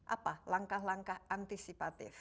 apa langkah langkah antisipatif